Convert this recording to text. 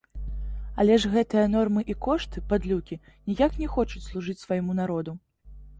Але ж гэтыя нормы і кошты, падлюкі, ніяк не хочуць служыць свайму народу!